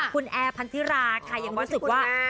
คุณแอร์พันธิราค่ะยังรู้สึกว่า